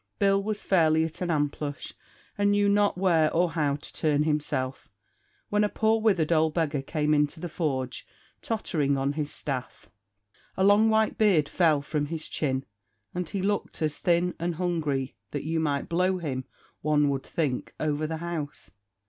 Bill was fairly at an amplush, and knew not where or how to turn himself, when a poor withered old beggar came into the forge, tottering on his staff. A long white beard fell from his chin, and he looked as thin and hungry that you might blow him, one would think, over the house.